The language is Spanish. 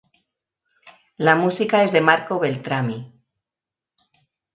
La música es de Marco Beltrami.